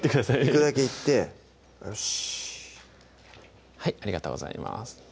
いくだけいってよしはいありがとうございます